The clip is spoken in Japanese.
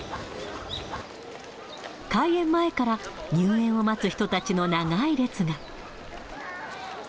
開園前から入園を待つ人たちの長い列が。